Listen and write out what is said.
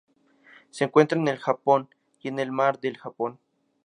Se encuentra en el Japón y en el Mar del Japón.